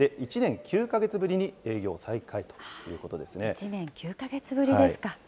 １年９か月ぶりに営業再開という１年９か月ぶりですか。